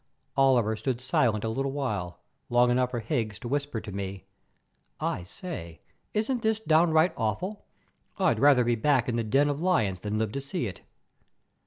Oliver stood silent a little while, long enough for Higgs to whisper to me: "I say, isn't this downright awful? I'd rather be back in the den of lions than live to see it."